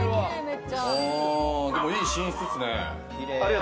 でも、いい寝室ですね。